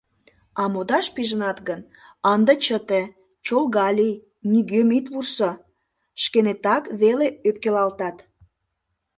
А модаш пижынат гын, ынде чыте, чолга лий, нигӧм ит вурсо, шканетак веле ӧпкелалтат.